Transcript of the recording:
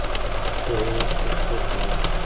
روهیال خپل کور ته لاړ.